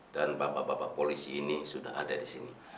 dan bapak bapak polisi ini sudah ada di sini